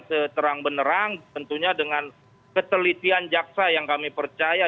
seterang beneran tentunya dengan ketelitian jaksa yang kami percaya